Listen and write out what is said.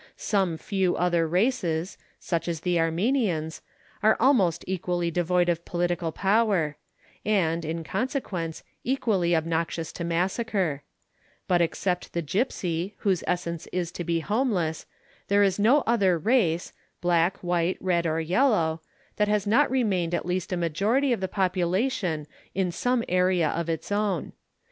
Some few other races, such as the Armenians, are almost equally devoid of political power, and, in consequence, equally obnoxious to massacre; but except the gipsy, whose essence is to be homeless, there is no other race black, white, red, or yellow that has not remained at least a majority of the population in some area of its own.